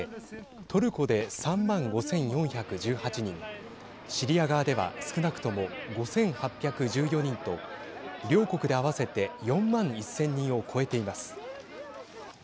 トルコで３万５４１８人シリア側では少なくとも５８１４人と両国で合わせて４万１０００人を超えています。